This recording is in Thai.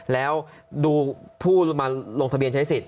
แล้วดูผู้มาลงทะเบียนใช้สิทธ